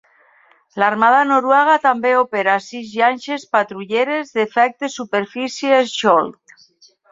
L'armada noruega també opera sis llanxes patrulleres d'efecte superfície Skjold.